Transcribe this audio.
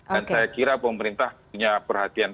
dan saya kira pemerintah punya perhatian